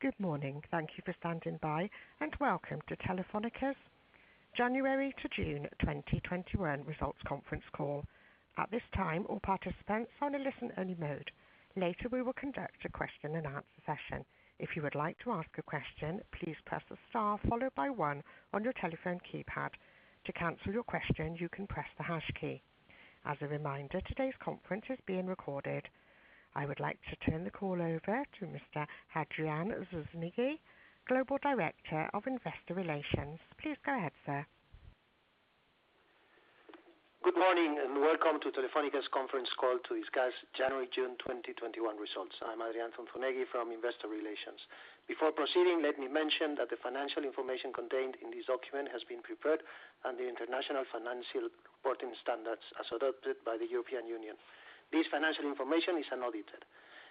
Good morning. Thank you for standing by. Welcome to Telefónica's January-June 2021 results conference call. I would like to turn the call over to Mr. Adrián Zunzunegui, Global Director of Investor Relations. Please go ahead, sir. Good morning, and welcome to Telefónica's conference call to discuss January-June 2021 results. I'm Adrián Zunzunegui from Investor Relations. Before proceeding, let me mention that the financial information contained in this document has been prepared under the International Financial Reporting Standards as adopted by the European Union. This financial information is unaudited.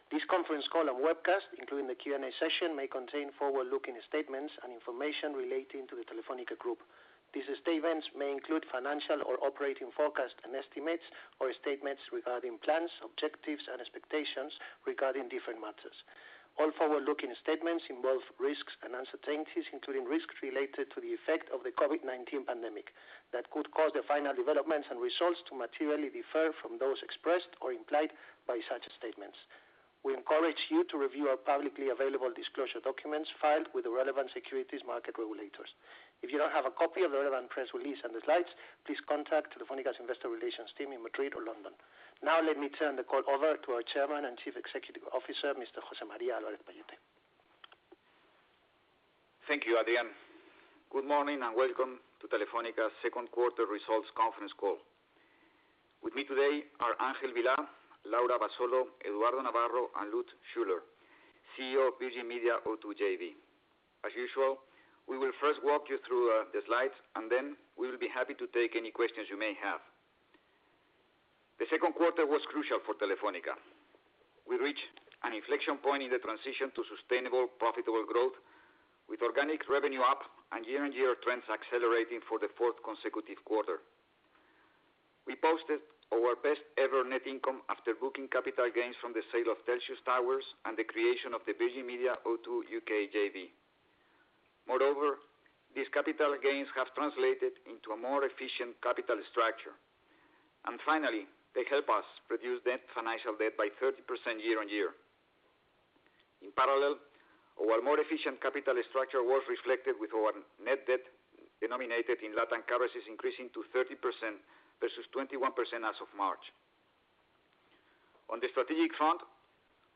This conference call and webcast, including the Q&A session, may contain forward-looking statements and information relating to the Telefónica Group. These statements may include financial or operating forecasts and estimates or statements regarding plans, objectives, and expectations regarding different matters. All forward-looking statements involve risks and uncertainties, including risks related to the effect of the COVID-19 pandemic that could cause the final developments and results to materially differ from those expressed or implied by such statements. We encourage you to review our publicly available disclosure documents filed with the relevant securities market regulators. If you don't have a copy of the relevant press release and the slides, please contact Telefónica's Investor Relations team in Madrid or London. Let me turn the call over to our Chairman and Chief Executive Officer, Mr. José María Álvarez-Pallete. Thank you, Adrián. Good morning, and welcome to Telefónica's second quarter results conference call. With me today are Ángel Vilá, Laura Abasolo, Eduardo Navarro, and Lutz Schüler, CEO of Virgin Media O2 JV. As usual, we will first walk you through the slides, and then we will be happy to take any questions you may have. The second quarter was crucial for Telefónica. We reached an inflection point in the transition to sustainable, profitable growth, with organic revenue up and year-on-year trends accelerating for the fourth consecutive quarter. We posted our best-ever net income after booking capital gains from the sale of Telxius Towers and the creation of the Virgin Media O2 U.K. JV. Moreover, these capital gains have translated into a more efficient capital structure. Finally, they help us reduce net financial debt by 30% year-on-year. In parallel, our more efficient capital structure was reflected with our net debt denominated in Latin currencies increasing to 30% versus 21% as of March. On the strategic front,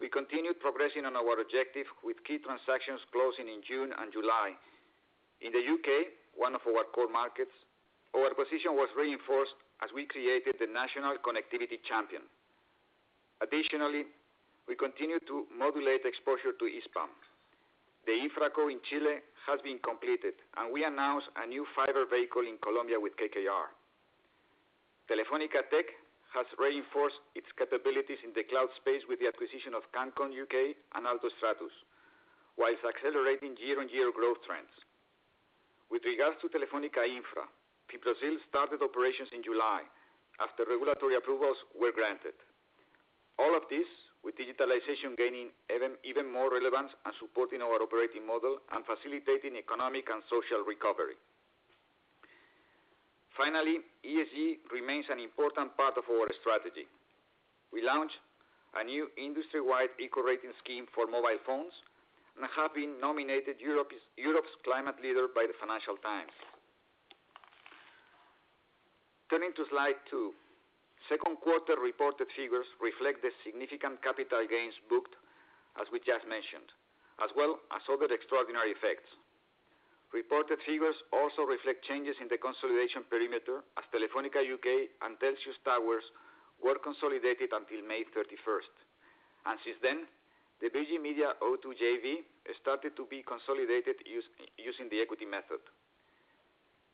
we continued progressing on our objective with key transactions closing in June and July. In the U.K., one of our core markets, our position was reinforced as we created the national connectivity champion. Additionally, we continued to modulate exposure to Hispam. The InfraCo in Chile has been completed, and we announced a new fiber vehicle in Colombia with KKR. Telefónica Tech has reinforced its capabilities in the cloud space with the acquisition of Cancom UK and Altostratus while accelerating year-on-year growth trends. With regards to Telefónica Infra, FiBrasil started operations in July after regulatory approvals were granted. All of this with digitalization gaining even more relevance and supporting our operating model and facilitating economic and social recovery. Finally, ESG remains an important part of our strategy. We launched a new industry-wide Eco Rating scheme for mobile phones and have been nominated Europe's Climate Leader by the Financial Times. Turning to slide two. Second quarter reported figures reflect the significant capital gains booked, as we just mentioned, as well as other extraordinary effects. Reported figures also reflect changes in the consolidation perimeter as Telefónica UK and Telxius Towers were consolidated until May 31st. Since then, the Virgin Media O2 JV started to be consolidated using the equity method.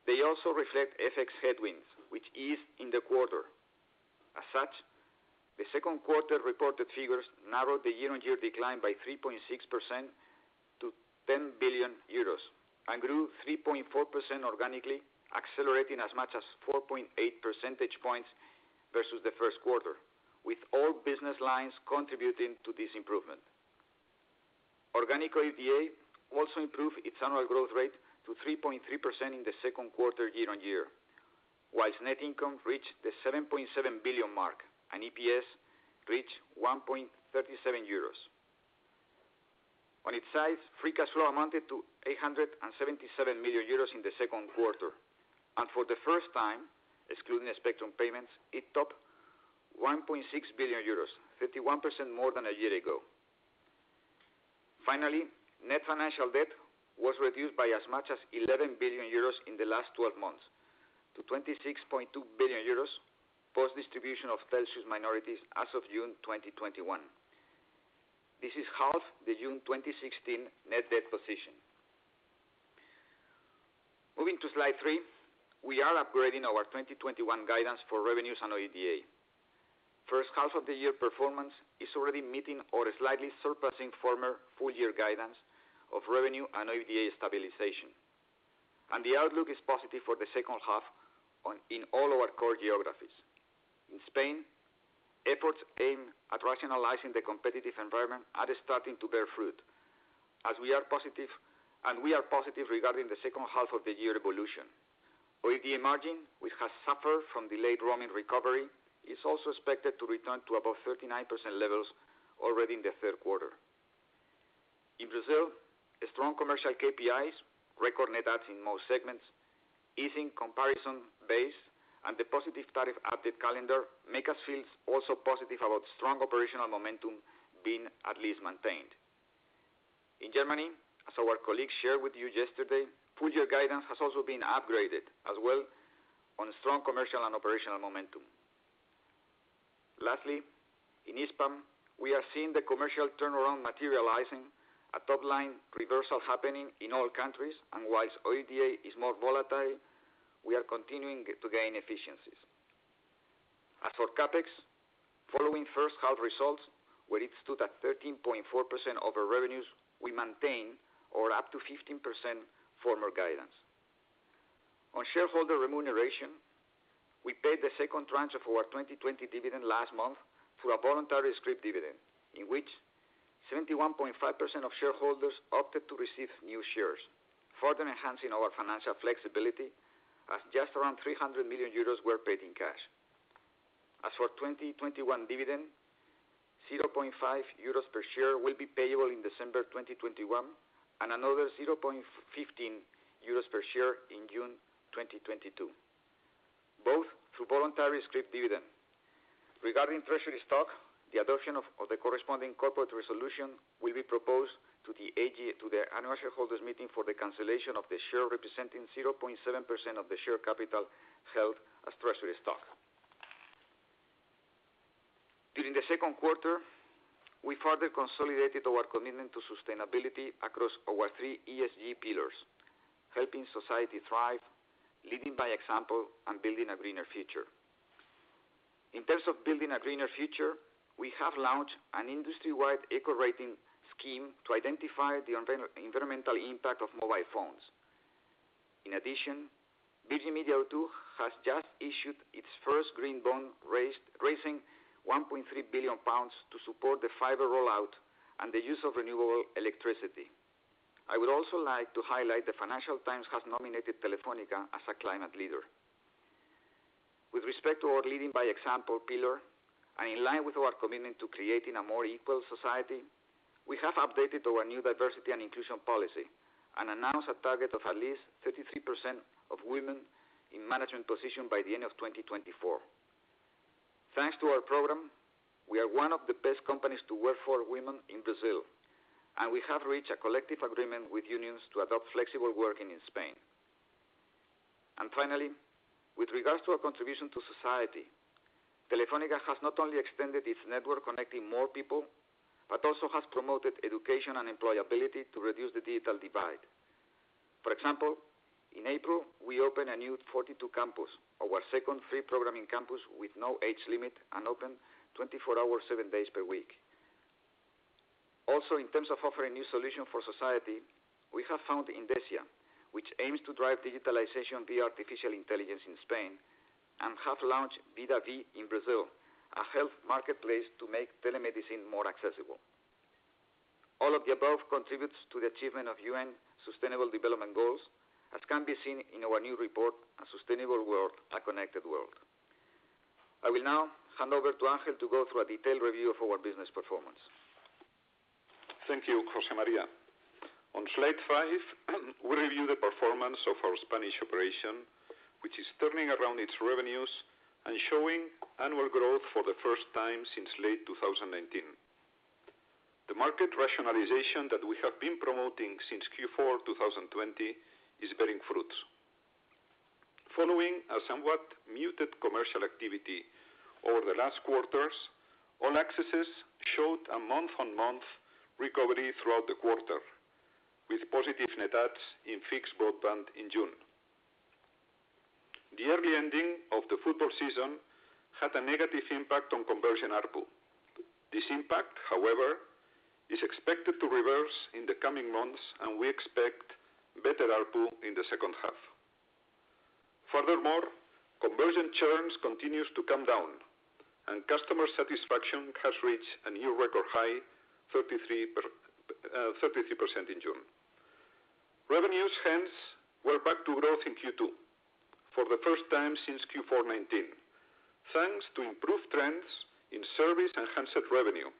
They also reflect FX headwinds, which eased in the quarter. Such, the second quarter reported figures narrowed the year-on-year decline by 3.6% to 10 billion euros and grew 3.4% organically, accelerating as much as 4.8 percentage points versus the first quarter, with all business lines contributing to this improvement. Organic OIBDA also improved its annual growth rate to 3.3% in the second quarter year-on-year, whilst net income reached the 7.7 billion mark, and EPS reached 1.37 euros. On its side, free cash flow amounted to 877 million euros in the second quarter. For the first time, excluding the spectrum payments, it topped 1.6 billion euros, 31% more than a year ago. Finally, net financial debt was reduced by as much as 11 billion euros in the last 12 months to 26.2 billion euros, post distribution of Telxius minorities as of June 2021. This is half the June 2016 net debt position. Moving to slide three. We are upgrading our 2021 guidance for revenues and OIBDA. First half of the year performance is already meeting or slightly surpassing former full year guidance of revenue and OIBDA stabilization. The outlook is positive for the second half in all our core geographies. In Spain, efforts aimed at rationalizing the competitive environment are starting to bear fruit, and we are positive regarding the second half of the year evolution. OIBDA margin, which has suffered from delayed roaming recovery, is also expected to return to above 39% levels already in the third quarter. In Brazil, strong commercial KPIs, record net adds in most segments, easing comparison base, and the positive tariff update calendar make us feel also positive about strong operational momentum being at least maintained. In Germany, as our colleagues shared with you yesterday, full year guidance has also been upgraded as well on strong commercial and operational momentum. Lastly, in Hispam, we are seeing the commercial turnaround materializing, a top-line reversal happening in all countries, and whilst OIBDA is more volatile, we are continuing to gain efficiencies. As for CapEx, following first half results, where it stood at 13.4% over revenues, we maintain our up to 15% former guidance. On shareholder remuneration, we paid the second tranche of our 2020 dividend last month through a voluntary scrip dividend, in which 71.5% of shareholders opted to receive new shares, further enhancing our financial flexibility, as just around 300 million euros were paid in cash. As for 2021 dividend, 0.5 euros per share will be payable in December 2021, and another 0.15 euros per share in June 2022, both through voluntary scrip dividend. Regarding treasury stock, the adoption of the corresponding corporate resolution will be proposed to the annual shareholders meeting for the cancellation of the share representing 0.7% of the share capital held as treasury stock. During the second quarter, we further consolidated our commitment to sustainability across our three ESG pillars: helping society thrive, leading by example, and building a greener future. In terms of building a greener future, we have launched an industry-wide Eco Rating scheme to identify the environmental impact of mobile phones. In addition, Virgin Media O2 has just issued its first green bond, raising 1.3 billion pounds to support the fiber rollout and the use of renewable electricity. I would also like to highlight The Financial Times has nominated Telefónica as a climate leader. With respect to our leading by example pillar, and in line with our commitment to creating a more equal society, we have updated our new diversity and inclusion policy and announced a target of at least 33% of women in management position by the end of 2024. Thanks to our program, we are one of the best companies to work for women in Brazil, and we have reached a collective agreement with unions to adopt flexible working in Spain. Finally, with regards to our contribution to society, Telefónica has not only extended its network connecting more people, but also has promoted education and employability to reduce the digital divide. For example, in April, we opened a new 42 campus, our second free programming campus with no age limit and open 24 hours, seven days per week. Also, in terms of offering new solution for society, we have found IndesIA, which aims to drive digitalization via artificial intelligence in Spain, and have launched Vida V in Brazil, a health marketplace to make telemedicine more accessible. All of the above contributes to the achievement of UN Sustainable Development Goals, as can be seen in our new report, A Sustainable World, A Connected World. I will now hand over to Ángel to go through a detailed review of our business performance. Thank you, José María. On slide five, we review the performance of our Spanish operation, which is turning around its revenues and showing annual growth for the first time since late 2019. The market rationalization that we have been promoting since Q4 2020 is bearing fruits. Following a somewhat muted commercial activity over the last quarters, all accesses showed a month-on-month recovery throughout the quarter, with positive net adds in fixed broadband in June. The early ending of the football season had a negative impact on conversion ARPU. This impact, however, is expected to reverse in the coming months, and we expect better ARPU in the second half. Furthermore, conversion churns continues to come down, and customer satisfaction has reached a new record high, 33% in June. Revenues hence were back to growth in Q2 for the first time since Q4 2019, thanks to improved trends in service and handset revenue,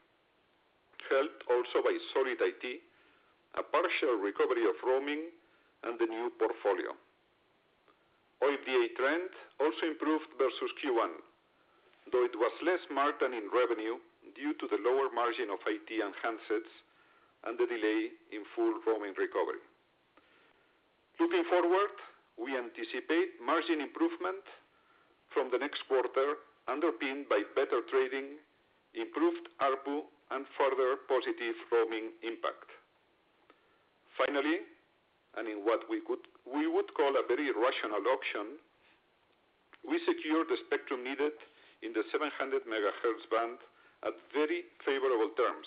helped also by solid IT, a partial recovery of roaming, and the new portfolio. OIBDA trend also improved versus Q1, though it was less marked than in revenue due to the lower margin of IT and handsets and the delay in full roaming recovery. Looking forward, we anticipate margin improvement from the next quarter underpinned by better trading, improved ARPU, and further positive roaming impact. Finally, in what we would call a very rational option, we secured the spectrum needed in the 700 MHz band at very favorable terms,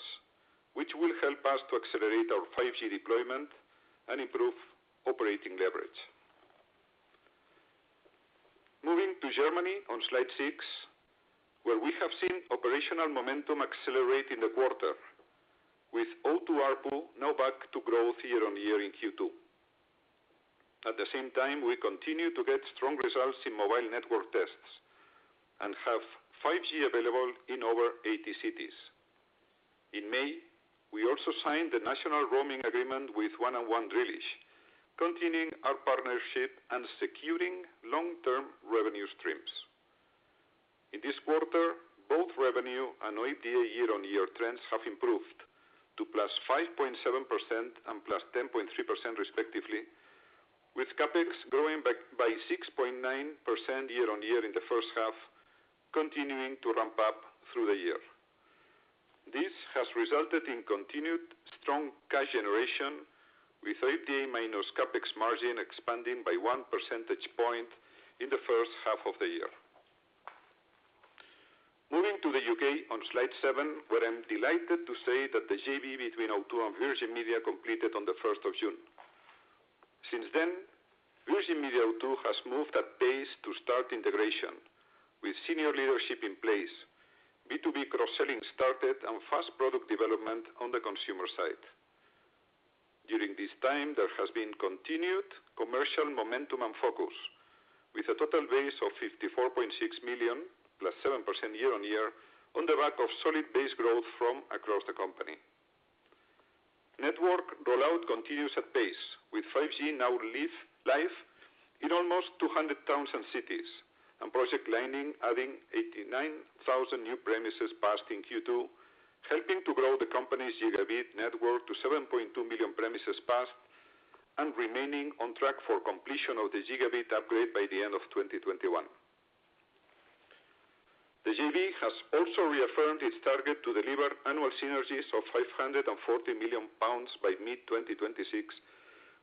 which will help us to accelerate our 5G deployment and improve operating leverage. Moving to Germany on slide six, where we have seen operational momentum accelerate in the quarter, with O2 ARPU now back to growth year-on-year in Q2. At the same time, we continue to get strong results in mobile network tests and have 5G available in over 80 cities. In May, we also signed the national roaming agreement with 1&1 Drillisch, continuing our partnership and securing long-term revenue streams. In this quarter, both revenue and OIBDA year-on-year trends have improved to +5.7% and +10.3% respectively, with CapEx growing by 6.9% year-on-year in the first half, continuing to ramp up through the year. This has resulted in continued strong cash generation, with OIBDA minus CapEx margin expanding by 1 percentage point in the first half of the year. Moving to the U.K. on slide seven, where I'm delighted to say that the JV between O2 and Virgin Media completed on the 1st of June. Since then, Virgin Media O2 has moved at pace to start integration with senior leadership in place, B2B cross-selling started, and fast product development on the consumer side. During this time, there has been continued commercial momentum and focus with a total base of 54.6 million, +7% year-on-year, on the back of solid base growth from across the company. Network rollout continues at pace, with 5G now live in almost 200 towns and cities and Project Lightning adding 89,000 new premises passed in Q2, helping to grow the company's gigabit network to 7.2 million premises passed and remaining on track for completion of the gigabit upgrade by the end of 2021. The JV has also reaffirmed its target to deliver annual synergies of 540 million pounds by mid-2026,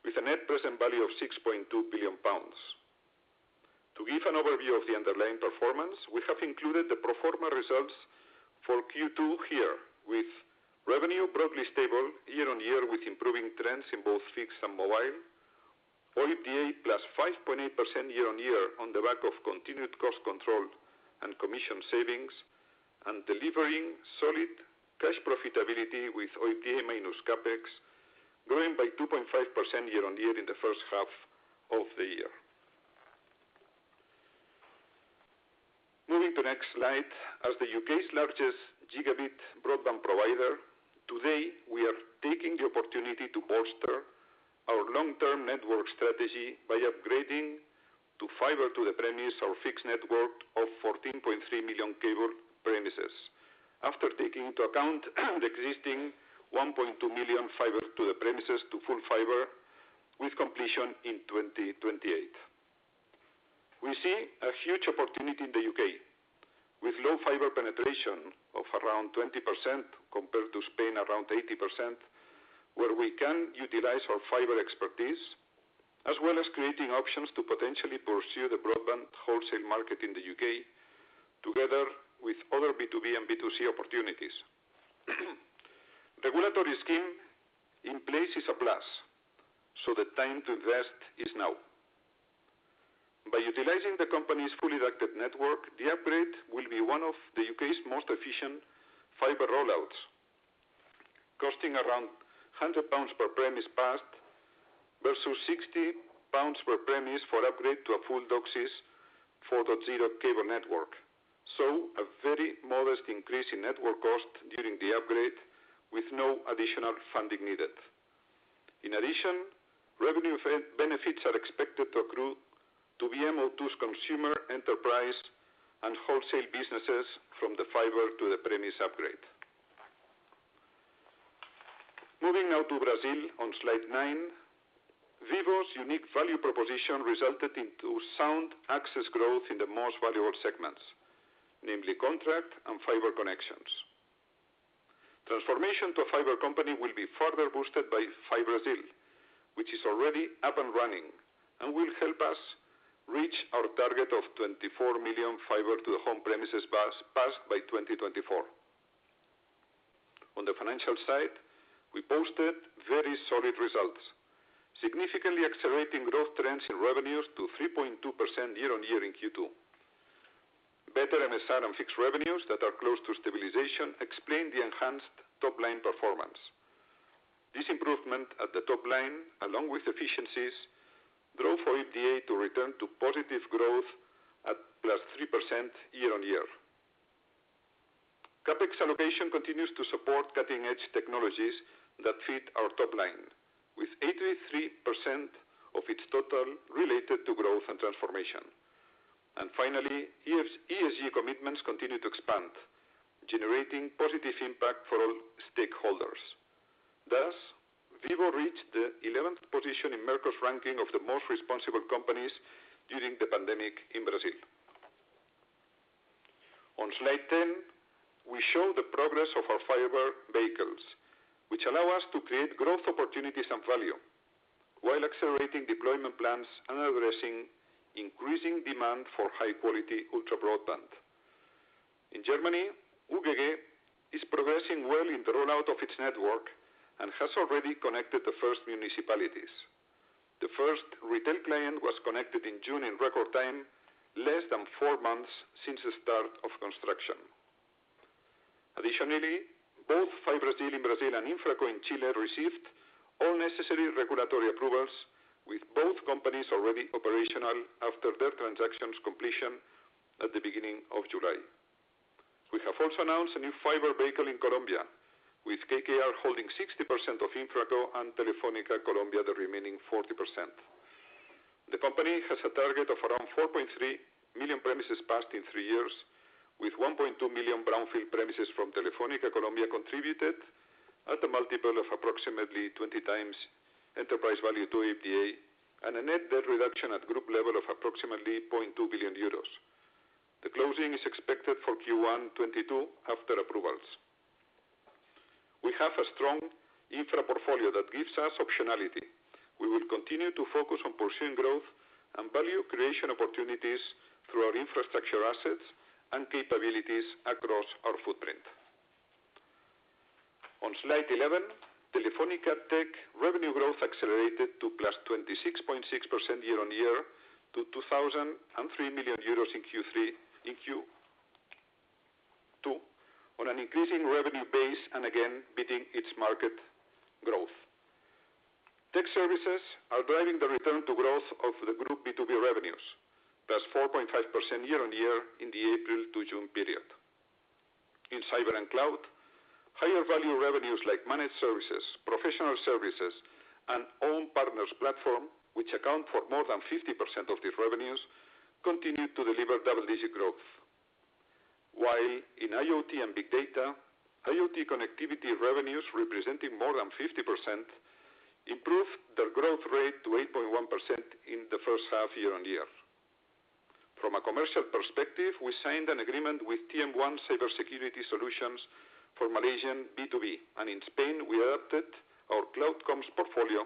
with a net present value of 6.2 billion pounds. To give an overview of the underlying performance, we have included the pro forma results for Q2 here, with revenue broadly stable year-on-year with improving trends in both fixed and mobile, OIBDA +5.8% year-on-year on the back of continued cost control and commission savings, and delivering solid cash profitability with OIBDA minus CapEx growing by 2.5% year-on-year in the first half of the year. Moving to next slide. As the U.K.'s largest gigabit broadband provider, today, we are taking the opportunity to bolster our long-term network strategy by upgrading to fiber to the premise our fixed network of 14.3 million cable premises. After taking into account the existing 1.2 million fiber to the premise to full fiber with completion in 2028. We see a huge opportunity in the U.K. with low fiber penetration of around 20% compared to Spain, around 80%, where we can utilize our fiber expertise as well as creating options to potentially pursue the broadband wholesale market in the U.K. together with other B2B and B2C opportunities. Regulatory scheme in place is a plus, the time to invest is now. By utilizing the company's fully rated network, the upgrade will be one of the U.K.'s most efficient fiber rollouts, costing around 100 pounds per premise passed versus 60 pounds per premise for upgrade to a full DOCSIS 4.0 cable network. A very modest increase in network cost during the upgrade with no additional funding needed. In addition, revenue benefits are expected to accrue to Virgin Media O2's consumer enterprise and wholesale businesses from the fiber to the premise upgrade. Moving now to Brazil on slide nine. Vivo's unique value proposition resulted in two sound access growth in the most valuable segments, namely contract and fiber connections. Transformation to a fiber company will be further boosted by FiBrasil, which is already up and running and will help us reach our target of 24 million fiber to the home premises passed by 2024. On the financial side, we posted very solid results, significantly accelerating growth trends in revenues to 3.2% year-on-year in Q2. Better MSR and fixed revenues that are close to stabilization explain the enhanced top-line performance. This improvement at the top-line, along with efficiencies, drove OIBDA to return to positive growth at +3% year-on-year. CapEx allocation continues to support cutting-edge technologies that fit our top line, with 83% of its total related to growth and transformation. Finally, ESG commitments continue to expand, generating positive impact for all stakeholders. Thus, Vivo reached the 11th position in Merco's ranking of the most responsible companies during the pandemic in Brazil. On slide 10, we show the progress of our fiber vehicles, which allow us to create growth opportunities and value, while accelerating deployment plans and addressing increasing demand for high-quality ultra broadband. In Germany, UGG is progressing well in the rollout of its network and has already connected the first municipalities. The first retail client was connected in June in record time, less than four months since the start of construction. Both FiBrasil in Brazil and InfraCo in Chile received all necessary regulatory approvals with both companies already operational after their transactions completion at the beginning of July. We have also announced a new fiber vehicle in Colombia, with KKR holding 60% of InfraCo and Telefónica Colombia, the remaining 40%. The company has a target of around 4.3 million premises passed in three years, with 1.2 million brownfield premises from Telefónica Colombia contributed at a multiple of approximately 20x enterprise value to EBITDA and a net debt reduction at group level of approximately 0.2 billion euros. The closing is expected for Q1 2022 after approvals. We have a strong Infra portfolio that gives us optionality. We will continue to focus on pursuing growth and value creation opportunities through our infrastructure assets and capabilities across our footprint. On slide 11, Telefónica Tech revenue growth accelerated to +26.6% year-on-year to 2,003 million euros in Q2 on an increasing revenue base. Again, beating its market growth. Tech services are driving the return to growth of the Group B2B revenues, +4.5% year-on-year in the April-June period. In cyber and cloud, higher value revenues like managed services, professional services, and own partners platform, which account for more than 50% of these revenues, continued to deliver double-digit growth. While in IoT and big data, IoT connectivity revenues representing more than 50%, improved their growth rate to 8.1% in the first half year-on-year. From a commercial perspective, we signed an agreement with TM ONE cybersecurity solutions for Malaysian B2B, and in Spain, we adapted our cloud comms portfolio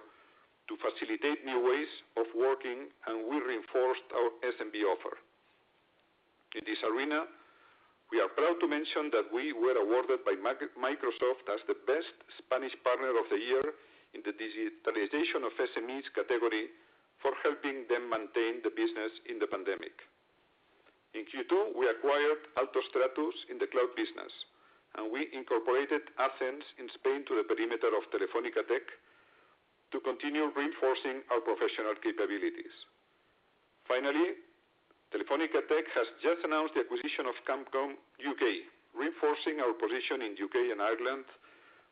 to facilitate new ways of working, and we reinforced our SMB offer. In this arena, we are proud to mention that we were awarded by Microsoft as the best Spanish partner of the year in the digitalization of SMEs category for helping them maintain the business in the pandemic. In Q2, we acquired Altostratus in the cloud business, and we incorporated acens in Spain to the perimeter of Telefónica Tech to continue reinforcing our professional capabilities. Telefónica Tech has just announced the acquisition of Cancom U.K., reinforcing our position in U.K. and Ireland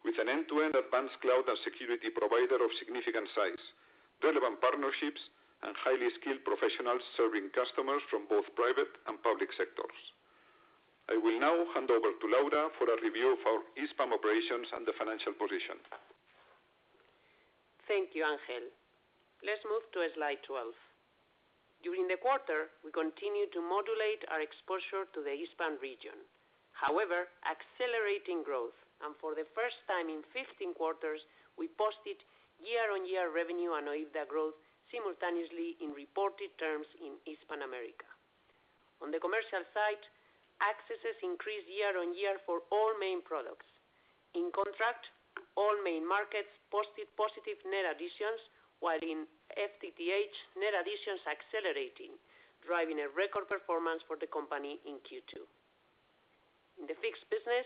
with an end-to-end advanced cloud and security provider of significant size, relevant partnerships, and highly skilled professionals serving customers from both private and public sectors. I will now hand over to Laura for a review of our Hispam operations and the financial position. Thank you, Ángel. Let's move to slide 12. Accelerating growth, for the first time in 15 quarters, we posted year-on-year revenue and OIBDA growth simultaneously in reported terms in Hispam America. On the commercial side, accesses increased year-on-year for all main products. In contract, all main markets posted positive net additions, while in FTTH net additions accelerating, driving a record performance for the company in Q2. In the fixed business,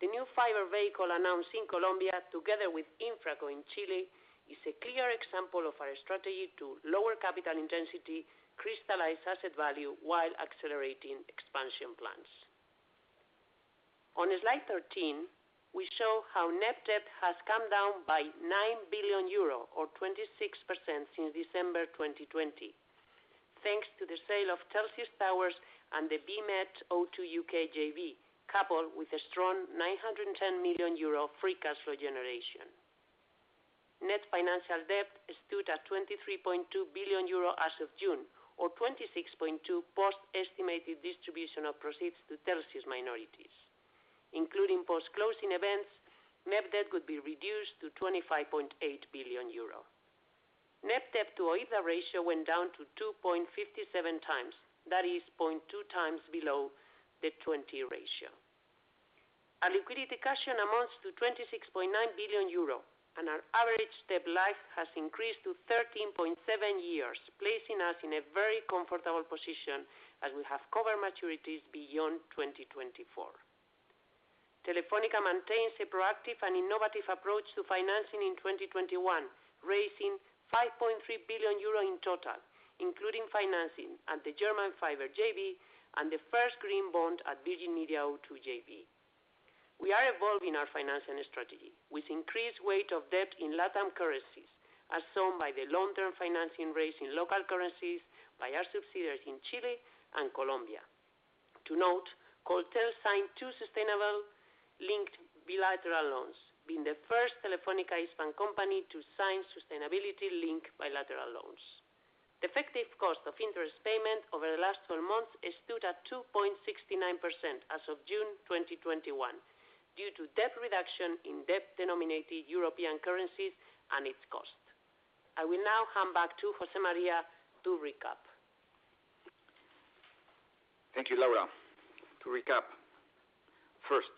the new fiber vehicle announced in Colombia together with InfraCo in Chile, is a clear example of our strategy to lower capital intensity, crystallize asset value while accelerating expansion plans. On slide 13, we show how net debt has come down by 9 billion euro or 26% since December 2020. Thanks to the sale of Telxius Towers and the VMED O2 JV, coupled with a strong 910 million euro free cash flow generation, net financial debt stood at 23.2 billion euro as of June or 26.2 billion post estimated distribution of proceeds to Telxius minorities. Including post-closing events, net debt could be reduced to 25.8 billion euro. Net debt to OIBDA ratio went down to 2.57x. That is 0.2x below the 2.0 ratio. Our liquidity cash amounts to 26.9 billion euro and our average debt life has increased to 13.7 years, placing us in a very comfortable position as we have covered maturities beyond 2024. Telefónica maintains a proactive and innovative approach to financing in 2021, raising 5.3 billion euro in total, including financing at the German Fiber JV and the first green bond at Virgin Media O2 JV. We are evolving our financing strategy with increased weight of debt in Latam currencies, as shown by the long-term financing raised in local currencies by our subsidiaries in Chile and Colombia. To note, ColTel signed two sustainability-linked bilateral loans, being the first Telefónica Hispam company to sign sustainability-linked bilateral loans. The effective cost of interest payment over the last 12 months stood at 2.69% as of June 2021, due to debt reduction in debt-denominated European currencies and its cost. I will now hand back to José María to recap. Thank you, Laura. To recap, first,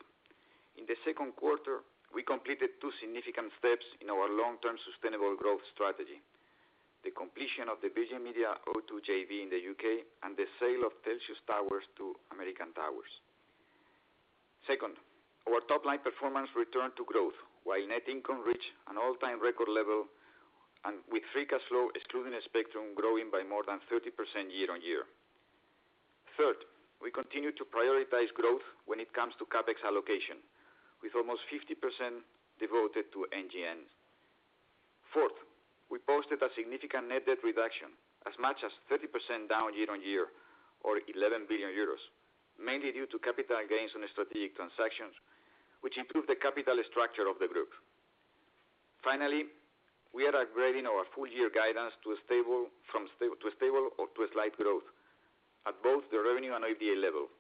in the second quarter, we completed two significant steps in our long-term sustainable growth strategy: the completion of the Virgin Media O2 JV in the U.K., and the sale of Telxius Towers to American Tower. Second, our top-line performance returned to growth, while net income reached an all-time record level and with free cash flow excluding the spectrum growing by more than 30% year-on-year. Third, we continue to prioritize growth when it comes to CapEx allocation, with almost 50% devoted to NGN. Fourth, we posted a significant net debt reduction, as much as 30% down year-on-year or 11 billion euros, mainly due to capital gains on strategic transactions, which improved the capital structure of the group. Finally, we are upgrading our full year guidance to a stable or to a slight growth at both the revenue and EBITDA level.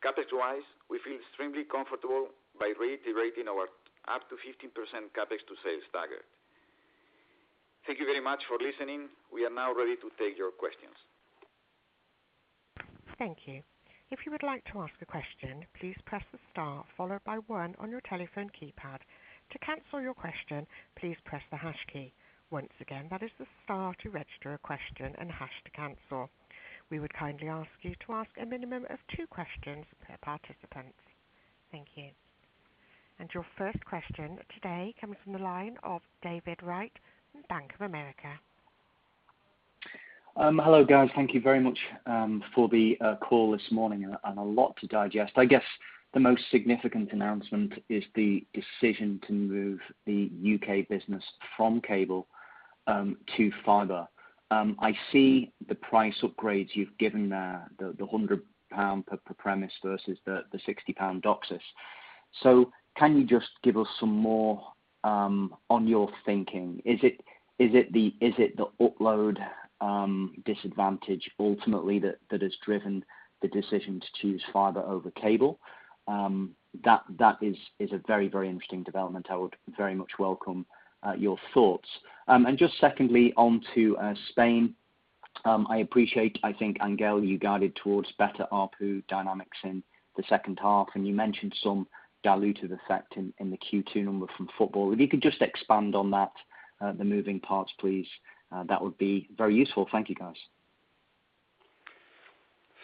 CapEx wise, we feel extremely comfortable by reiterating our up to 15% CapEx to sales target. Thank you very much for listening. We are now ready to take your questions. Thank you. If you would like to ask a question, please press the star followed by one in your telephone keypad To cancel your question, press press the hash key. Once again, that is the star to register a question question and hash to cancel. We would kindly ask you to ask a minimum of two question per participants. Your first question today comes from the line of David Wright from Bank of America. Hello, guys. Thank you very much for the call this morning. A lot to digest. I guess the most significant announcement is the decision to move the U.K. business from cable to fiber. I see the price upgrades you've given there, the 100 pound per premise versus the 60 pound DOCSIS. Can you just give us some more on your thinking? Is it the upload disadvantage ultimately that has driven the decision to choose fiber over cable? That is a very interesting development. I would very much welcome your thoughts. Just secondly, on to Spain. I appreciate, I think, Ángel, you guided towards better ARPU dynamics in the second half, and you mentioned some dilutive effect in the Q2 number from football. If you could just expand on that, the moving parts, please, that would be very useful. Thank you, guys.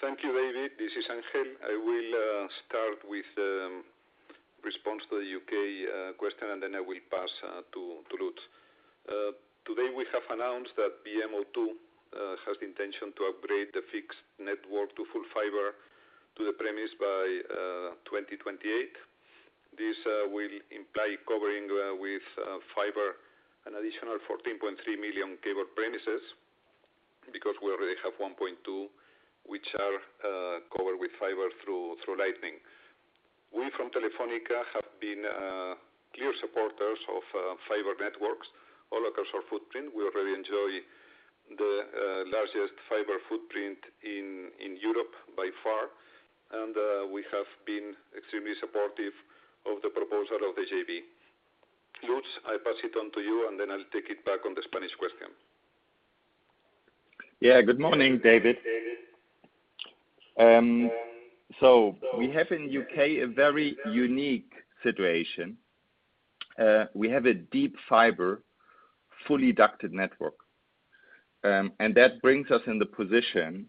Thank you, David. This is Ángel. I will start with response to the U.K. question, and then I will pass to Lutz. Today, we have announced that VMED O2 has the intention to upgrade the fixed network to full fiber to the premise by 2028. This will imply covering with fiber an additional 14.3 million cable premises, because we already have 1.2 which are covered with fiber through Lightning. We from Telefónica have been clear supporters of fiber networks all across our footprint. We already enjoy the largest fiber footprint in Europe by far, and we have been extremely supportive of the proposal of the JV. Lutz, I pass it on to you, and then I'll take it back on the Spanish question. Yeah. Good morning, David. We have in U.K. a very unique situation. We have a deep fiber, fully ducted network. That brings us in the position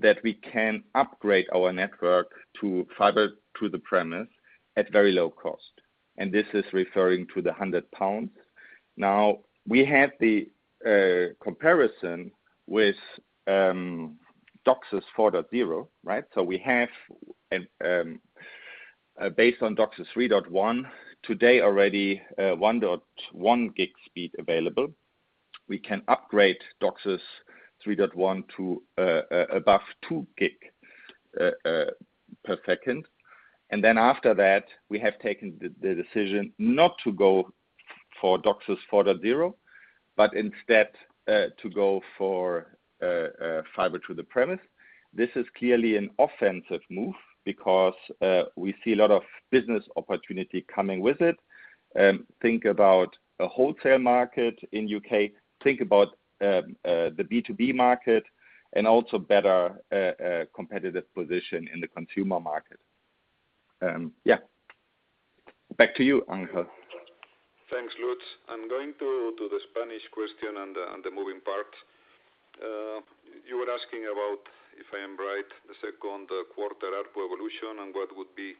that we can upgrade our network to fiber to the premise at very low cost. This is referring to the 100 pounds. Now, we have the comparison with DOCSIS 4.0, right? We have based on DOCSIS 3.1, today already 1.1 gig speed available. We can upgrade DOCSIS 3.1 to above 2 gig per second. After that, we have taken the decision not to go for DOCSIS 4.0, but instead to go for fiber to the premise. This is clearly an offensive move because we see a lot of business opportunity coming with it. Think about the wholesale market in U.K., think about the B2B market, and also better competitive position in the consumer market. Yeah. Back to you, Ángel. Thanks, Lutz. I'm going to the Spanish question and the moving parts. You were asking about, if I am right, the second quarter ARPU evolution and what would be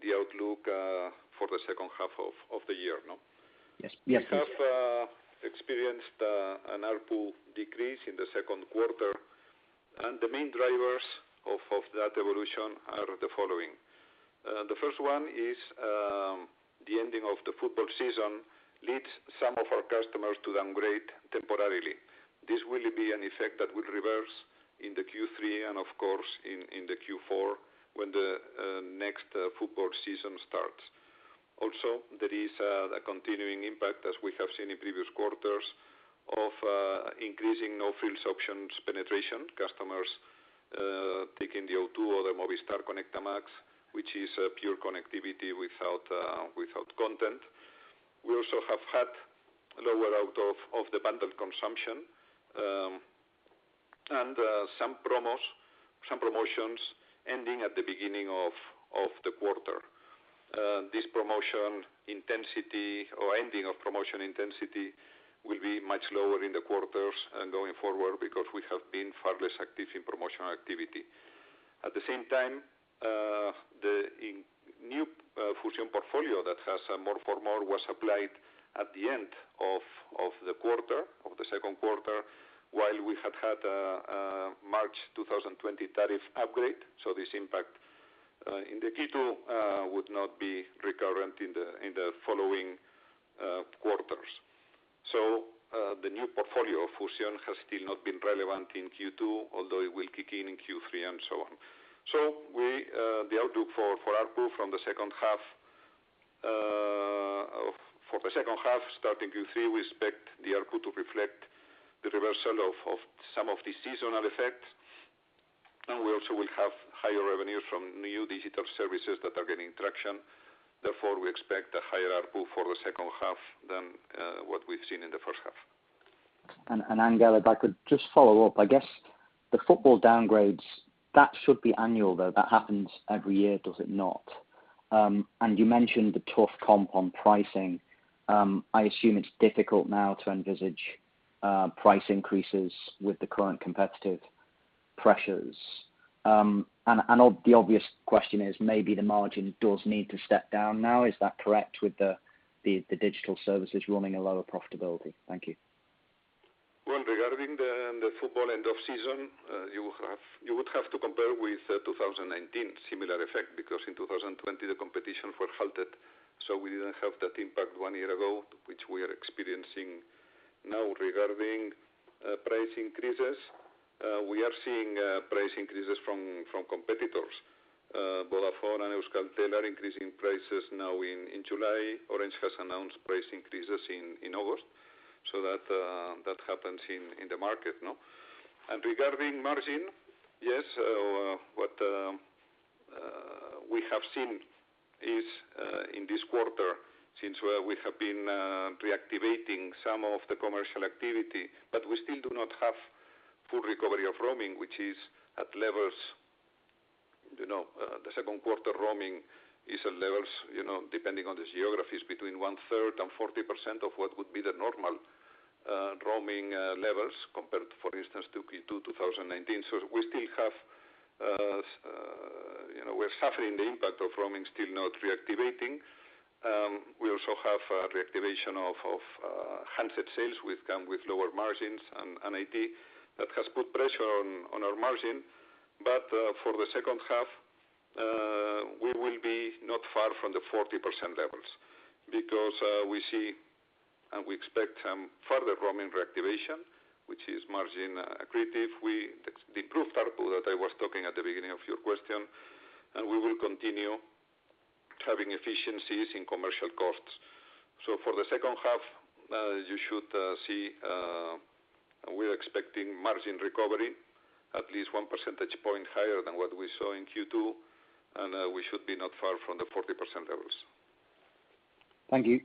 the outlook for the second half of the year, no? Yes. We have experienced an ARPU decrease in the second quarter. The main drivers of that evolution are the following. The first one is the ending of the football season leads some of our customers to downgrade temporarily. This will be an effect that will reverse in the Q3 and, of course, in the Q4, when the next football season starts. There is a continuing impact as we have seen in previous quarters of increasing no-frills options penetration, customers taking the O2 or the Movistar Conecta Max, which is a pure connectivity without content. We also have had lower out of the bundle consumption, and some promotions ending at the beginning of the quarter. This promotion intensity or ending of promotion intensity will be much lower in the quarters and going forward because we have been far less active in promotional activity. At the same time, the new Fusion portfolio that has more for more was applied at the end of the second quarter, while we had had a March 2020 tariff upgrade. This impact in the Q2 would not be recurrent in the following quarters. The new portfolio Fusion has still not been relevant in Q2, although it will kick in Q3 and so on. The outlook for ARPU for the second half, starting Q3, we expect the ARPU to reflect the reversal of some of the seasonal effects. We also will have higher revenues from new digital services that are gaining traction. Therefore, we expect a higher ARPU for the second half than what we've seen in the first half. Ángel, if I could just follow up, I guess the football downgrades, that should be annual, though. That happens every year, does it not? You mentioned the tough comp on pricing. I assume it's difficult now to envisage price increases with the current competitive pressures. The obvious question is maybe the margin does need to step down now. Is that correct, with the digital services running a lower profitability? Thank you. Regarding the football end of season, you would have to compare with 2019. Similar effect, because in 2020, the competition was halted, so we didn't have that impact one year ago, which we are experiencing now. Regarding price increases, we are seeing price increases from competitors. Vodafone, Euskaltel are increasing prices now in July. Orange has announced price increases in August. That happens in the market. Regarding margin, yes, what we have seen is, in this quarter, since we have been reactivating some of the commercial activity, but we still do not have full recovery of roaming, which is at levels. The second quarter roaming is at levels, depending on the geographies, between 1/3 and 40% of what would be the normal roaming levels compared, for instance, to Q2 2019. We're suffering the impact of roaming still not reactivating. We also have reactivation of handset sales with lower margins and IT that has put pressure on our margin. For the second half, we will be not far from the 40% levels because we see and we expect further roaming reactivation, which is margin accretive. The improved ARPU that I was talking at the beginning of your question, and we will continue having efficiencies in commercial costs. For the second half, you should see, we're expecting margin recovery at least 1 percentage point higher than what we saw in Q2, and we should be not far from the 40% levels. Thank you.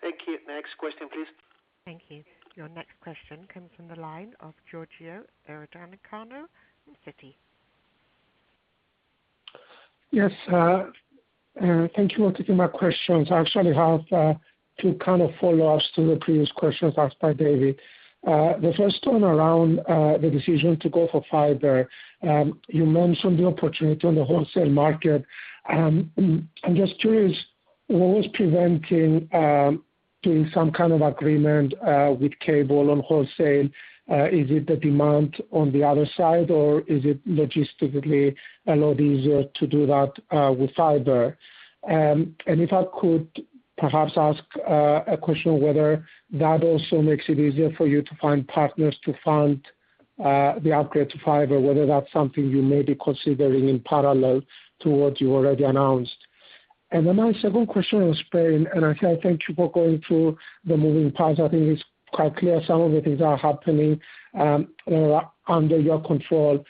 Thank you. Next question, please. Thank you. Your next question comes from the line of Georgios Ierodiaconou from Citi. Yes. Thank you for taking my questions. I actually have two follow-ups to the previous questions asked by David. The first one around the decision to go for fiber. You mentioned the opportunity on the wholesale market. I'm just curious, what was preventing doing some kind of agreement with cable on wholesale? Is it the demand on the other side, or is it logistically a lot easier to do that with fiber? If I could perhaps ask a question of whether that also makes it easier for you to find partners to fund the upgrade to fiber, whether that's something you may be considering in parallel to what you already announced. My second question on Spain, I thank you for going through the moving parts. I think it's quite clear some of the things are happening under your control.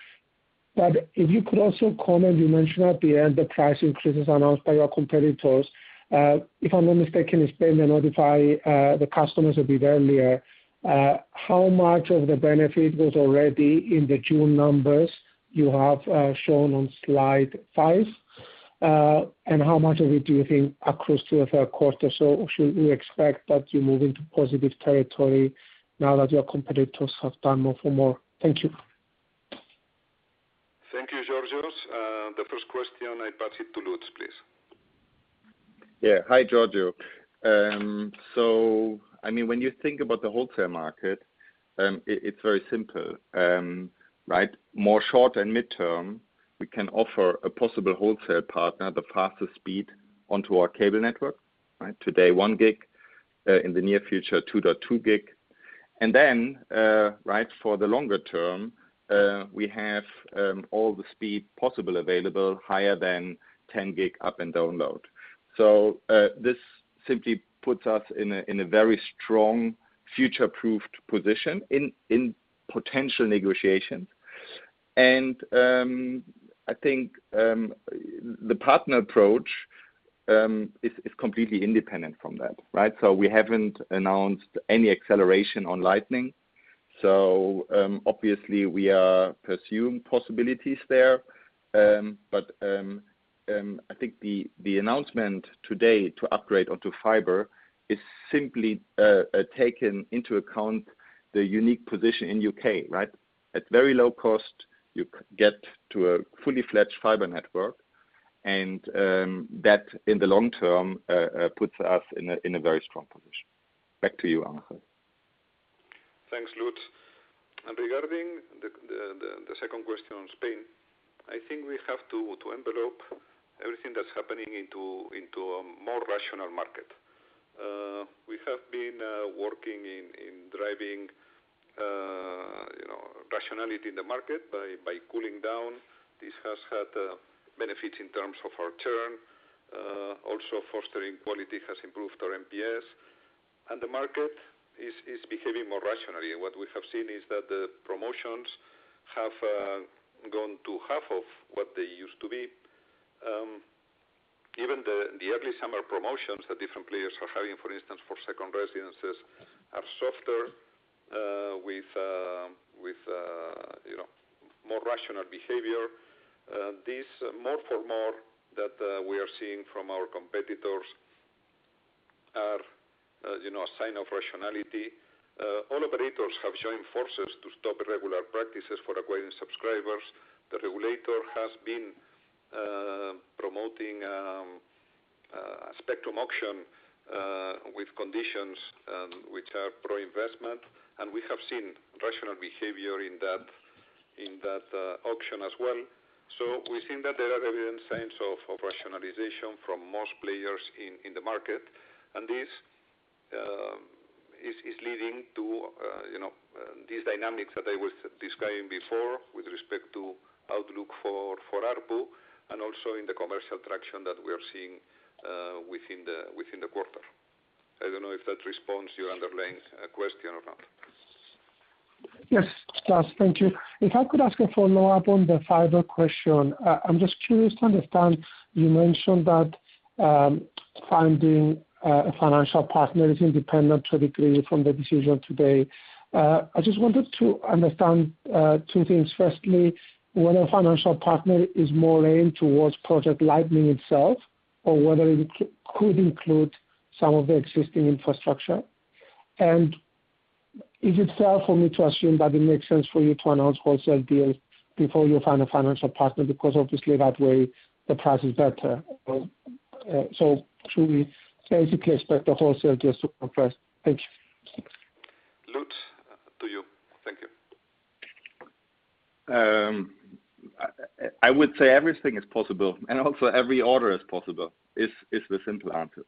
If you could also comment, you mentioned at the end the price increases announced by your competitors. If I'm not mistaken, in Spain, they notify the customers a bit earlier. How much of the benefit was already in the June numbers you have shown on slide five? How much of it do you think accrues to the third quarter? Should we expect that you're moving to positive territory now that your competitors have done more for more? Thank you. Thank you, Georgios. The first question, I pass it to Lutz, please. Hi, Georgios. When you think about the wholesale market, it's very simple. More short and midterm, we can offer a possible wholesale partner the fastest speed onto our cable network. Today, 1 gig. In the near future, 2.2 gig. And for the longer term, we have all the speed possibly available, higher than 10 gig up and download. This simply puts us in a very strong future-proofed position in potential negotiations. I think the partner approach is completely independent from that. We haven't announced any acceleration on Lightning. Obviously we are pursuing possibilities there. I think the announcement today to upgrade onto fiber is simply taking into account the unique position in U.K. At very low cost, you get to a fully fledged fiber network, and that, in the long term, puts us in a very strong position. Back to you, Ángel. Thanks, Lutz. Regarding the second question on Spain, I think we have to envelope everything that's happening into a more rational market. We have been working in driving rationality in the market by cooling down. This has had benefits in terms of our churn. Also fostering quality has improved our NPS, and the market is behaving more rationally. What we have seen is that the promotions have gone to half of what they used to be. Even the early summer promotions that different players are having, for instance, for second residences, are softer with more rational behavior. This more-for-more that we are seeing from our competitors are a sign of rationality. All operators have joined forces to stop irregular practices for acquiring subscribers. The regulator has been promoting a spectrum auction with conditions which are pro-investment, and we have seen rational behavior in that auction as well. We've seen that there are evident signs of rationalization from most players in the market. This is leading to these dynamics that I was describing before with respect to outlook for ARPU and also in the commercial traction that we are seeing within the quarter. I don't know if that responds to your underlying question or not. Yes. Thank you. If I could ask a follow-up on the fiber question. I'm just curious to understand, you mentioned that finding a financial partner is independent totally from the decision today. I just wanted to understand two things. Firstly, whether a financial partner is more aimed towards Project Lightning itself or whether it could include some of the existing infrastructure. Is it fair for me to assume that it makes sense for you to announce wholesale deals before you find a financial partner? Because obviously that way the price is better. Should we basically expect the wholesale deals to come first? Thank you. Lutz, to you. Thank you. I would say everything is possible and also every order is possible, is the simple answer.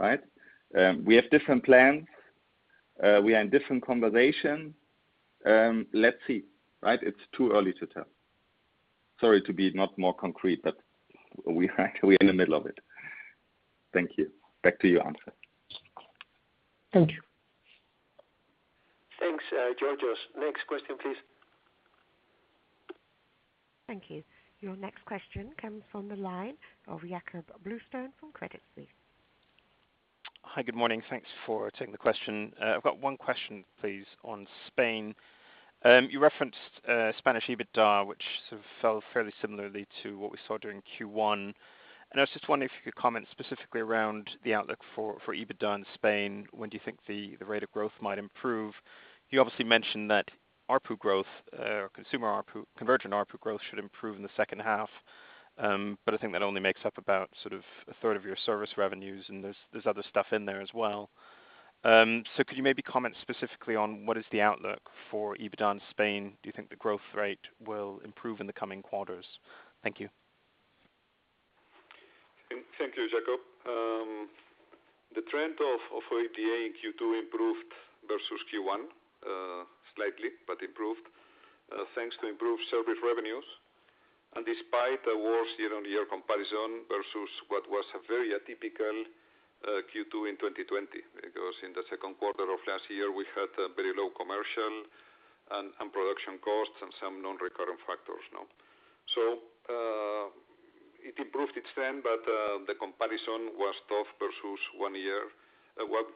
We have different plans. We are in different conversations. Let's see. It's too early to tell. Sorry to be not more concrete, but we're in the middle of it. Thank you. Back to you, Ángel. Thank you. Thanks, Georgios. Next question, please. Thank you. Your next question comes from the line of Jakob Bluestone from Credit Suisse. Hi. Good morning. Thanks for taking the question. I've got one question, please, on Spain. You referenced Spanish EBITDA, which fell fairly similarly to what we saw during Q1. I was just wondering if you could comment specifically around the outlook for EBITDA in Spain. When do you think the rate of growth might improve? You obviously mentioned that ARPU growth or consumer convergent ARPU growth should improve in the second half. I think that only makes up about a third of your service revenues, and there's other stuff in there as well. Could you maybe comment specifically on what is the outlook for EBITDA in Spain? Do you think the growth rate will improve in the coming quarters? Thank you. Thank you, Jakob. The trend of OIBDA in Q2 improved versus Q1, slightly, improved, thanks to improved service revenues and despite a worse year-on-year comparison versus what was a very atypical Q2 in 2020, because in the second quarter of last year, we had very low commercial and production costs and some non-recurrent factors. It improved its trend, but the comparison was tough versus one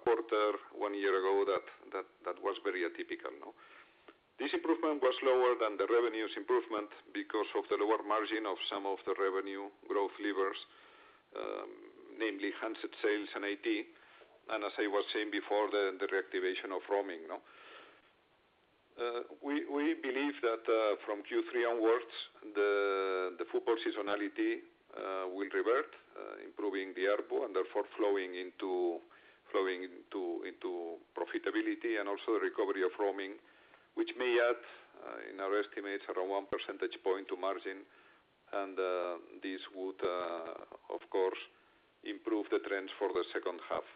quarter one year ago that was very atypical. This improvement was lower than the revenues improvement because of the lower margin of some of the revenue growth levers, namely handset sales and IT, and as I was saying before, the reactivation of roaming. It may add, in our estimates, around 1 percentage point to margin. This would, of course, improve the trends for the second half.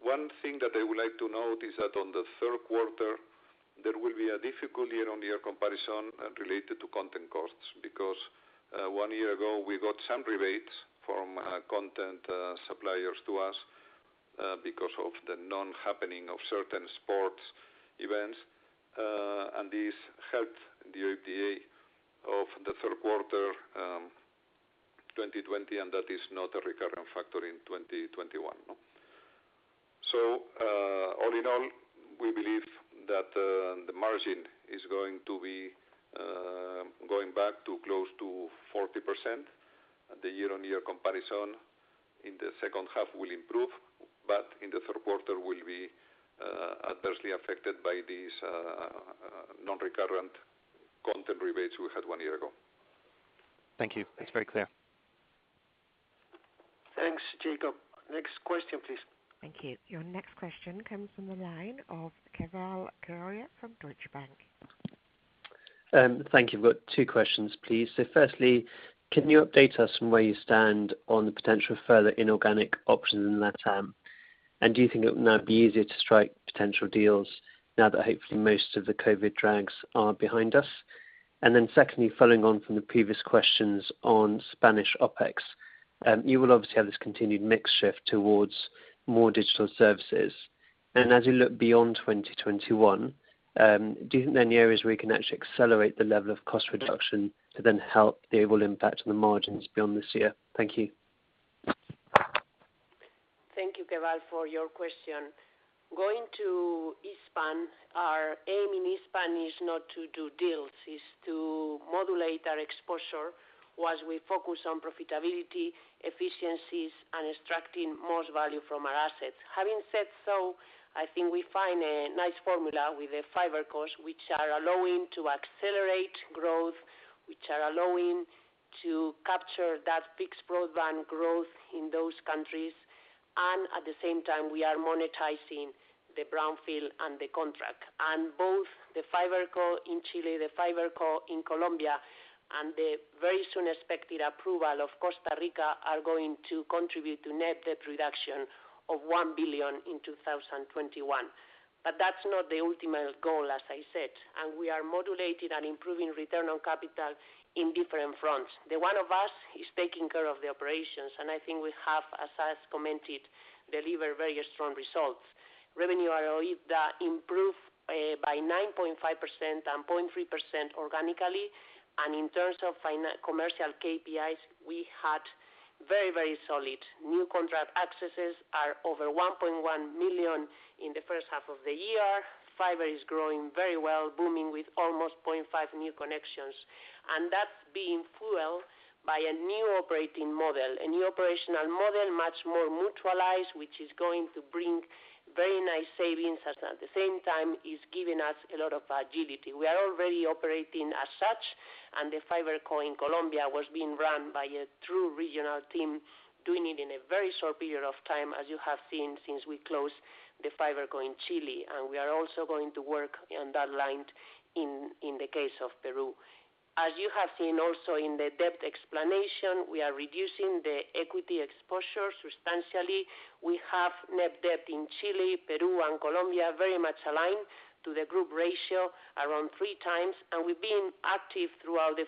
One thing that I would like to note is that on the third quarter, there will be a difficult year-on-year comparison related to content costs, because one year ago we got some rebates from content suppliers to us because of the non-happening of certain sports events. This helped the OIBDA of the third quarter 2020, and that is not a recurring factor in 2021. All in all, we believe that the margin is going to be going back to close to 40%. The year-on-year comparison in the second half will improve, but in the third quarter will be adversely affected by these non-recurrent content rebates we had one year ago. Thank you. It is very clear. Thanks, Jakob. Next question, please. Thank you. Your next question comes from the line of Keval Khiroya from Deutsche Bank. Thank you. I've got two questions, please. Firstly, can you update us on where you stand on the potential further inorganic options in Latam? Do you think it will now be easier to strike potential deals now that hopefully most of the COVID drags are behind us? Secondly, following on from the previous questions on Spanish OpEx. You will obviously have this continued mix shift towards more digital services. As you look beyond 2021, do you think there are any areas where you can actually accelerate the level of cost reduction to then help the overall impact on the margins beyond this year? Thank you. Thank you, Keval, for your question. Going to Hispam, our aim in Hispam is not to do deals. It's to modulate our exposure whilst we focus on profitability, efficiencies, and extracting most value from our assets. Having said so, I think we find a nice formula with the FibreCos, which are allowing to accelerate growth, which are allowing to capture that fixed broadband growth in those countries. At the same time, we are monetizing the brownfield and the contract. Both the FibreCo in Chile, the FibreCo in Colombia, and the very soon expected approval of Costa Rica are going to contribute to net debt reduction of 1 billion in 2021. That's not the ultimate goal, as I said. We are modulating and improving return on capital in different fronts. The one of us is taking care of the operations. I think we have, as I've commented, delivered very strong results. Revenue ROE that improved by 9.5% and 0.3% organically. In terms of commercial KPIs, we had very solid new contract accesses, over 1.1 million in the first half of the year. Fiber is growing very well, booming with almost 0.5 new connections. That's being fueled by a new operating model. A new operational model, much more neutralized, which is going to bring very nice savings, and at the same time is giving us a lot of agility. We are already operating as such, and the FibreCo in Colombia was being run by a true regional team, doing it in a very short period of time, as you have seen since we closed the FibreCo in Chile. We are also going to work on that line in the case of Peru. As you have seen also in the debt explanation, we are reducing the equity exposure substantially. We have net debt in Chile, Peru and Colombia very much aligned to the group ratio around 3x. We've been active throughout the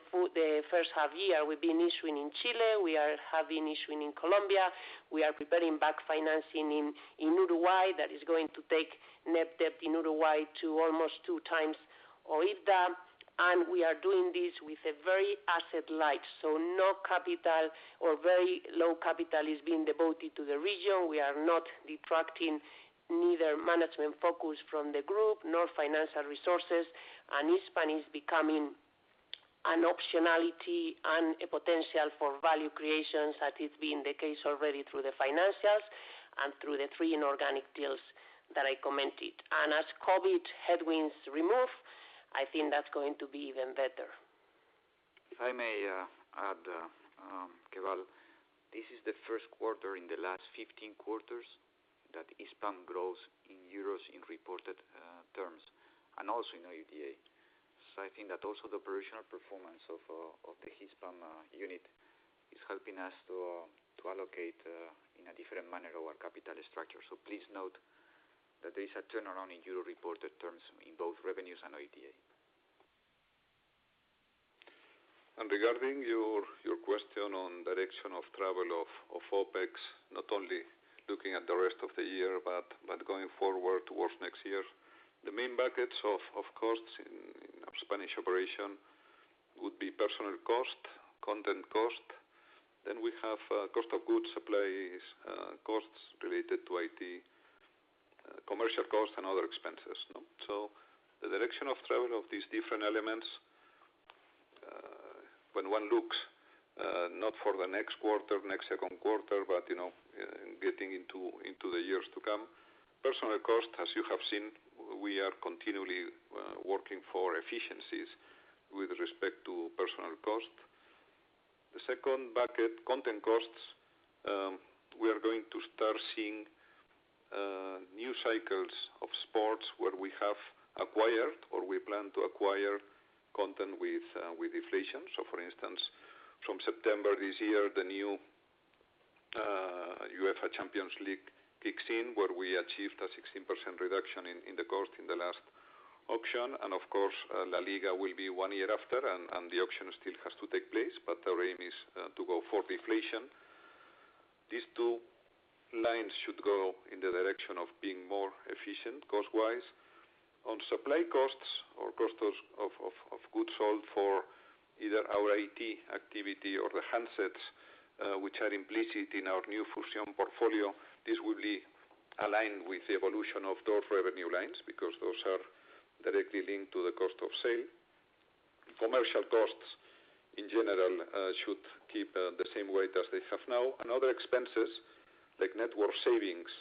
first half year. We've been issuing in Chile, we are having issuing in Colombia. We are preparing back financing in Uruguay. That is going to take net debt in Uruguay to almost 2x OIBDA. We are doing this with a very asset light. No capital or very low capital is being devoted to the region. We are not detracting neither management focus from the group nor financial resources. Hispam is becoming an optionality and a potential for value creation, that has been the case already through the financials and through the three inorganic deals that I commented. As COVID headwinds remove, I think that's going to be even better. If I may add, Keval. This is the first quarter in the last 15 quarters that Hispam grows in euros in reported terms and also in OIBDA. I think that also the operational performance of the Hispam unit is helping us to allocate in a different manner our capital structure. Please note that there is a turnaround in euro reported terms in both revenues and OIBDA. Regarding your question on direction of travel of OpEx, not only looking at the rest of the year but going forward towards next year. The main buckets of costs in our Spanish operation would be personnel cost, content cost, then we have cost of goods, supplies, costs related to IT, commercial cost, and other expenses. The direction of travel of these different elements, when one looks, not for the next quarter, next second quarter, but getting into the years to come. Personal cost, as you have seen, we are continually working for efficiencies with respect to personnel cost. The second bucket, content costs, we are going to start seeing new cycles of sports where we have acquired or we plan to acquire content with deflation. For instance, from September this year, the new UEFA Champions League kicks in, where we achieved a 16% reduction in the cost in the last auction. Of course, La Liga will be one year after, and the auction still has to take place, but our aim is to go for deflation. These two lines should go in the direction of being more efficient cost-wise. On supply costs or cost of goods sold for either our IT activity or the handsets, which are implicit in our new Fusion portfolio, this will be aligned with the evolution of those revenue lines because those are directly linked to the cost of sale. Commercial costs, in general, should keep the same weight as they have now. Other expenses like network savings,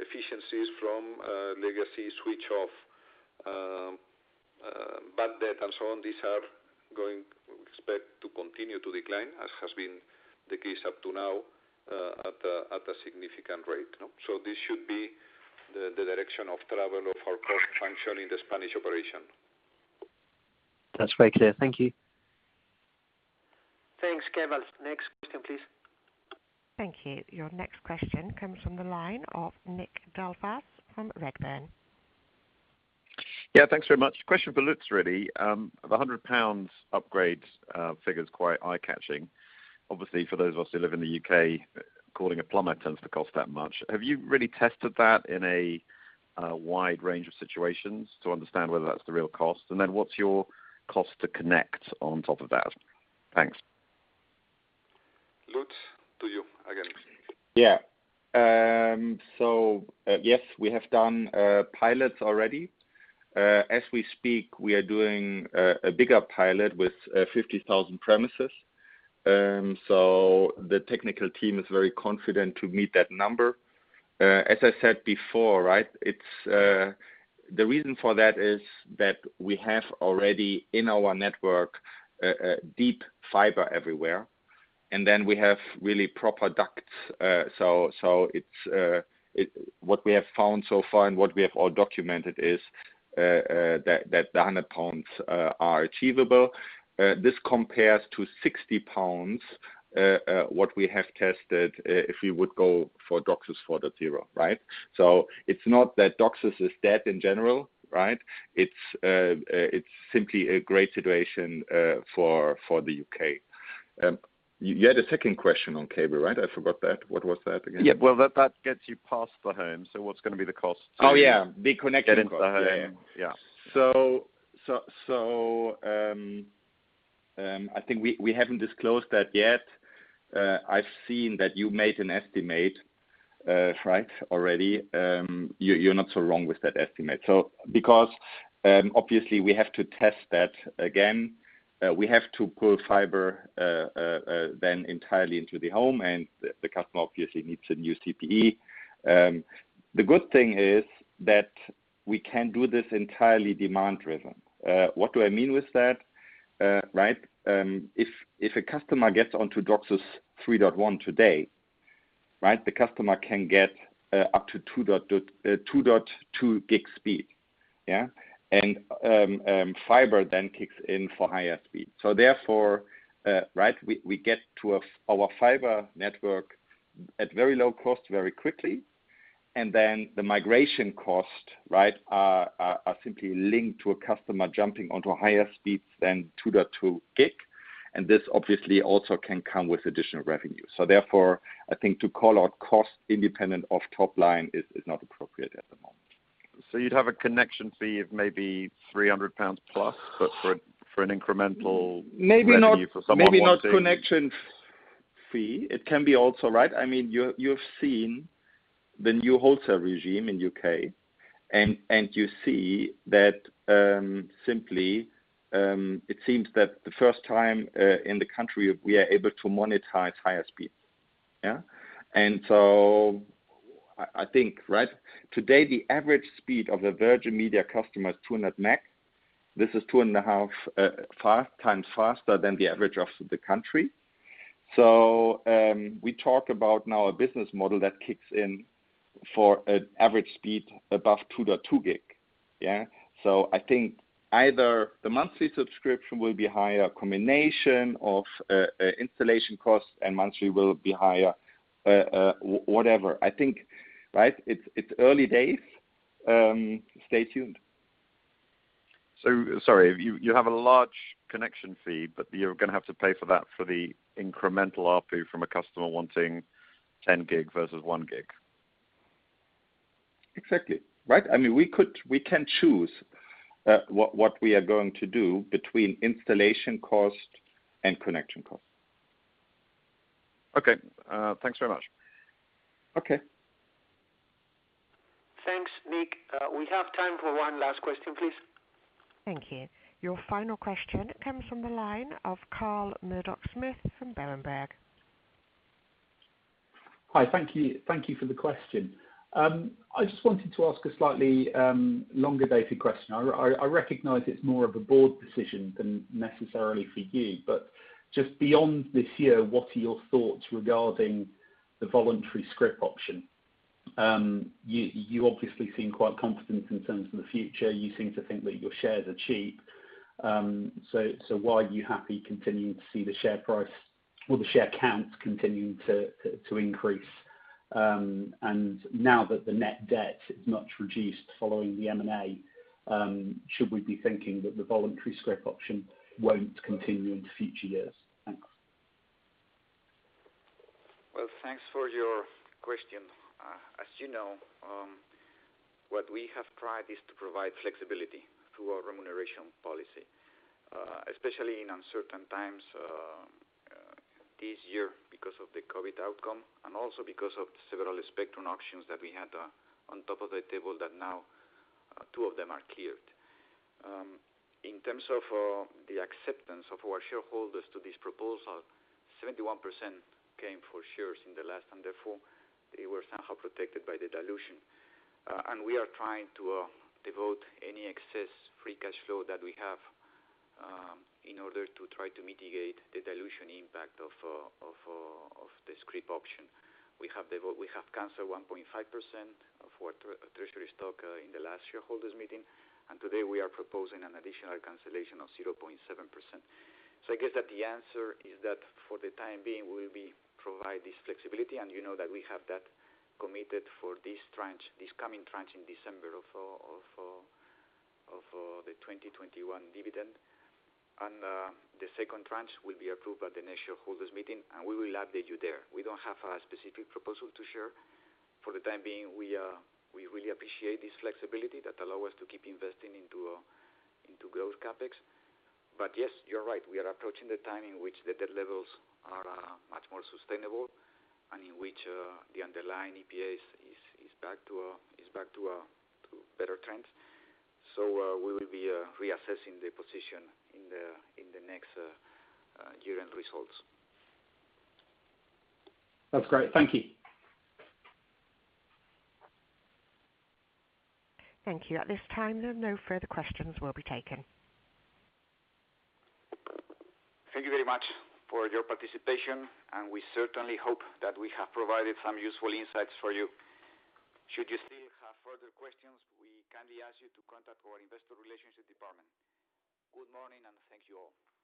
efficiencies from legacy switch off, bad debt, and so on, these we expect to continue to decline, as has been the case up to now at a significant rate. This should be the direction of travel of our cost function in the Spanish operation. That's very clear. Thank you. Thanks, Keval. Next question, please. Thank you. Your next question comes from the line of Nick Delfas from Redburn. Thanks very much. Question for Lutz, really. The 100 upgrade figure's quite eye-catching. Obviously, for those of us who live in the U.K., calling a plumber tends to cost that much. Have you really tested that in a wide range of situations to understand whether that's the real cost? What's your cost to connect on top of that? Thanks. Lutz, to you again. Yes, we have done pilots already. As we speak, we are doing a bigger pilot with 50,000 premises. The technical team is very confident to meet that number. As I said before, the reason for that is that we have already in our network, deep fiber everywhere, we have really proper ducts. What we have found so far and what we have all documented is that the 100 pounds are achievable. This compares to 60 pounds, what we have tested if we would go for DOCSIS 4.0. It's not that DOCSIS is dead in general. It's simply a great situation for the U.K. You had a second question on cable, right? I forgot that. What was that again? Yeah. Well, that gets you past the home. What's going to be the cost to- Oh, yeah. Get into the home? Yeah. I think we haven't disclosed that yet. I've seen that you made an estimate already. You're not so wrong with that estimate. Because obviously we have to test that again, we have to pull fiber then entirely into the home, and the customer obviously needs a new CPE. The good thing is that we can do this entirely demand driven. What do I mean with that? If a customer gets onto DOCSIS 3.1 today, the customer can get up to 2.2 gig speed. Fiber then kicks in for higher speed. Therefore, we get to our fiber network at very low cost very quickly. Then the migration cost are simply linked to a customer jumping onto higher speeds than 2.2 gig. This obviously also can come with additional revenue. Therefore, I think to call out cost independent of top line is not appropriate at the moment. You'd have a connection fee of maybe 300+ pounds, but for an incremental revenue for someone wanting. Maybe not connection fee. It can be also You've seen the new wholesale regime in U.K., and you see that simply, it seems that the first time in the country, we are able to monetize higher speed. I think today the average speed of a Virgin Media customer is 200 meg. This is 2.5x faster than the average of the country. We talk about now a business model that kicks in for an average speed above 2.2 gig. I think either the monthly subscription will be higher, combination of installation cost and monthly will be higher, whatever. I think it's early days. Stay tuned. Sorry. You have a large connection fee, but you're going to have to pay for that for the incremental ARPU from a customer wanting 10 gig versus 1 gig. Exactly. We can choose what we are going to do between installation cost and connection cost. Okay. Thanks very much. Okay. Thanks, Nick. We have time for one last question, please. Thank you. Your final question comes from the line of Carl Murdock-Smith from Berenberg. Hi. Thank you for the question. I just wanted to ask a slightly longer-dated question. I recognize it's more of a board decision than necessarily for you, just beyond this year, what are your thoughts regarding the voluntary scrip option? You obviously seem quite confident in terms of the future. You seem to think that your shares are cheap. Why are you happy continuing to see the share price or the share count continuing to increase? Now that the net debt is much reduced following the M&A, should we be thinking that the voluntary scrip option won't continue into future years? Thanks. Well, thanks for your question. As you know, what we have tried is to provide flexibility through our remuneration policy, especially in uncertain times this year because of the COVID outcome and also because of several spectrum auctions that we had on top of the table that now two of them are cleared. In terms of the acceptance of our shareholders to this proposal, 71% came for shares in the last, and therefore they were somehow protected by the dilution. We are trying to devote any excess free cash flow that we have in order to try to mitigate the dilution impact of the scrip option. We have canceled 1.5% of our treasury stock in the last shareholders meeting, and today we are proposing an additional cancellation of 0.7%. I guess that the answer is that for the time being, we will provide this flexibility, and you know that we have that committed for this coming tranche in December of the 2021 dividend. The second tranche will be approved at the next shareholders meeting, and we will update you there. We don't have a specific proposal to share. For the time being, we really appreciate this flexibility that allow us to keep investing into growth CapEx. Yes, you're right, we are approaching the time in which the debt levels are much more sustainable and in which the underlying EPS is back to better trends. We will be reassessing the position in the next year-end results. That's great. Thank you. Thank you. At this time, no further questions will be taken. Thank you very much for your participation, and we certainly hope that we have provided some useful insights for you. Should you still have further questions, we kindly ask you to contact our Investor Relations department. Good morning, and thank you all.